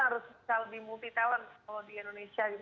karena kita harus lebih multi talent kalau di indonesia gitu